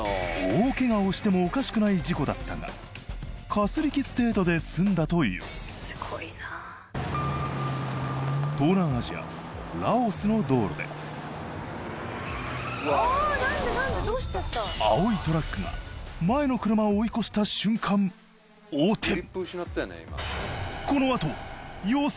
大ケガをしてもおかしくない事故だったがかすり傷程度で済んだという東南アジア・ラオスの道路で青いトラックが前の車を追い越した瞬間横転